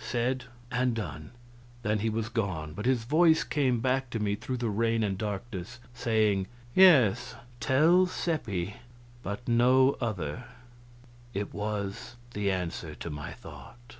Said and done. Then he was gone; but his voice came back to me through the rain and darkness saying, "Yes, tell Seppi, but no other." It was the answer to my thought.